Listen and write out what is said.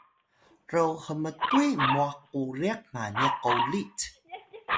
ro hmtuy mwah quriq maniq qolit